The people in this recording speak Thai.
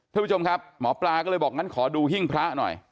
ท่านผู้ชมครับหมอปลาก็เลยบอกงั้นขอดูหิ้งพระหน่อย